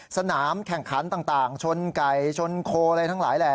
สนามแข่งขันต่างชนไก่ชนโคอะไรทั้งหลายแหล่